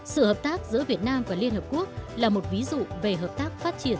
sự hợp tác giữa việt nam và liên hợp quốc là một ví dụ về hợp tác phát triển